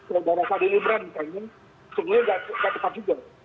sebarang sadari umran misalnya sebenarnya tidak tepat juga